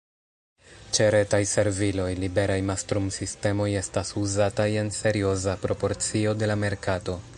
Ĉe retaj serviloj, liberaj mastrumsistemoj estas uzataj en serioza proporcio de la merkato.